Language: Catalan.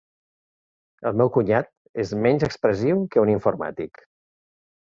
El meu cunyat és menys expressiu que un informàtic.